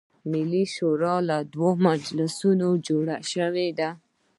ملي شورا له دوه مجلسونو جوړه شوې ده.